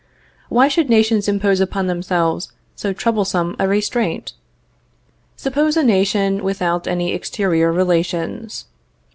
Why should nations impose upon themselves so troublesome a restraint? Suppose a nation without any exterior relations.